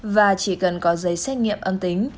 và chỉ cần có giấy xét nghiệm âm tính